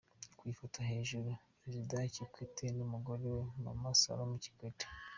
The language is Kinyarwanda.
Ku ifoto hejuru: Perezida Kikwete n’umugore we Mama Salma Kikwete .